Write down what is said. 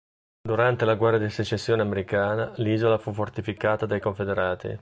Durante la Guerra di secessione americana l'isola fu fortificata dai confederati.